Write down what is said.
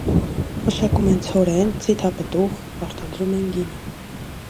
Մշակում են ցորեն, ձիթապտուղ, արտադրում են գինի։